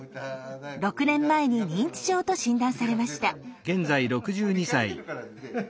６年前に認知症と診断されました。